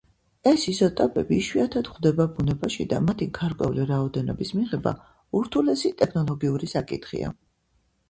ეს იზოტოპები იშვიათად გვხვდება ბუნებაში და მათი გარკვეული რაოდენობის მიღება ურთულესი ტექნოლოგიური საკითხია.